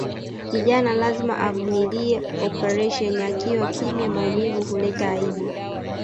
Kijana lazima avumilie operesheni akiwa kimya maumivu huleta aibu